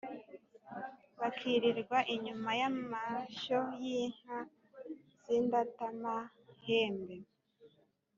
bakirirwa inyuma y'amashyo y' inka z' indatama hembe,